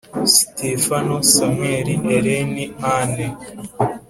sitefano, samuel, ellen, anne.